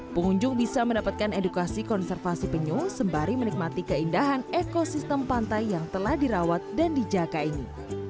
pengunjung bisa mendapatkan edukasi konservasi penyu sembari menikmati keindahan ekosistem pantai yang telah dirawat dan dijaga ini